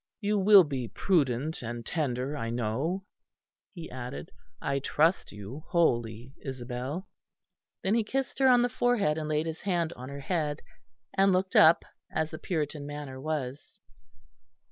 "You will be prudent and tender, I know," he added. "I trust you wholly, Isabel." Then he kissed her on the forehead and laid his hand on her head, and looked up, as the Puritan manner was.